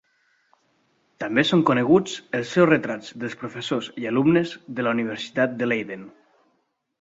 També són coneguts els seus retrats dels professors i alumnes de la Universitat de Leiden.